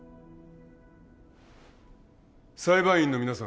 裁判員の皆さん